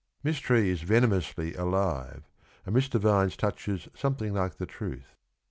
... Miss Tree is venomously alive, and Mr. Vines touches something like the truth.